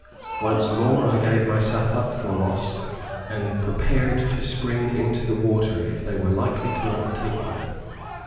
Once more I gave myself up for lost, and prepared to spring into the water, if they were likely to overtake me.